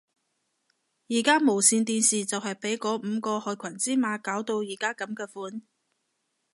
而家無線電視就係被嗰五大害群之馬搞到而家噉嘅款